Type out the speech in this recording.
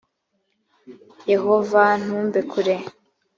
yehova ntumbe kure